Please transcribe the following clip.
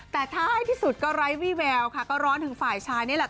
แต่ท้ายที่สุดก็ไร้วี่แววค่ะก็ร้อนถึงฝ่ายชายนี่แหละ